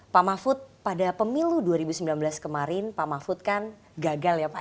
pak mahfud pada pemilu dua ribu sembilan belas kemarin pak mahfud kan gagal ya pak